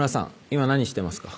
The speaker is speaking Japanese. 今何してますか？